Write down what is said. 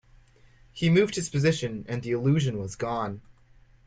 He moved his position, and the illusion was gone.